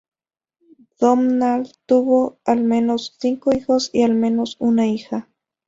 Domnall tuvo al menos cinco hijos y al menos una hija.